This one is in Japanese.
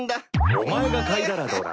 お前が嗅いだらどうだ。